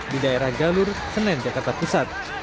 di daerah galur senen jakarta pusat